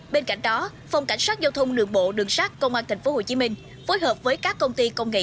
bên cạnh đó phòng cảnh sát giao thông đường bộ đường sát công an tp hcm phối hợp với các công ty công nghệ